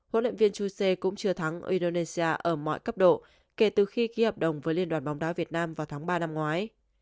huấn luyện viên chuse cũng chưa thắng indonesia ở mọi cấp độ kể từ khi ký hợp đồng với liên đoàn bóng đá việt nam vào tháng ba năm ngoái